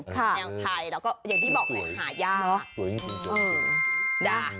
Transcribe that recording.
แมวไทยแล้วก็อย่างที่บอกหายา